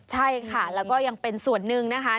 ใช่ค่ะแล้วก็ยังเป็นส่วนหนึ่งนะคะ